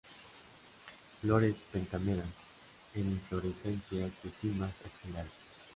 Flores pentámeras en inflorescencias de cimas axilares.